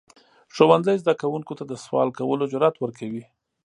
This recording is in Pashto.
ښوونځی زده کوونکو ته د سوال کولو جرئت ورکوي.